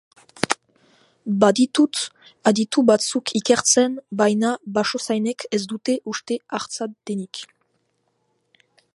Baditut aditu batzuk ikertzen, baina basozainek ez dute uste hartza denik.